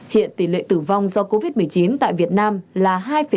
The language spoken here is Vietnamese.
hiện tỷ lệ tử vong do covid một mươi chín tại việt nam là hai ba